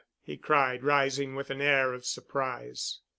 he cried, rising, with an air of surprise.